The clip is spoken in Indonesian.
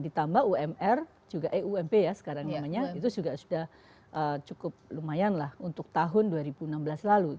ditambah umr juga eump ya sekarang namanya itu juga sudah cukup lumayan lah untuk tahun dua ribu enam belas lalu